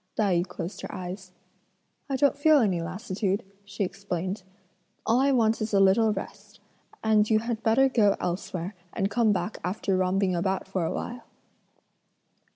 Tai yü closed her eyes. "I don't feel any lassitude," she explained, "all I want is a little rest; and you had better go elsewhere and come back after romping about for a while."